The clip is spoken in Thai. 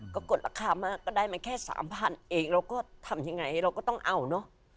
ก็กดราคามากก็ได้มาแค่๓๐๐๐เองเราก็ทำยังไงเราก็ต้องเอาเนอะ